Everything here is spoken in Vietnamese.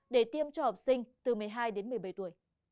để tiêm cho học sinh từ một mươi hai đến một mươi bảy tuổi